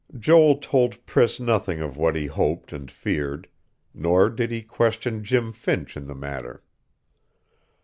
Joel told Priss nothing of what he hoped and feared; nor did he question Jim Finch in the matter.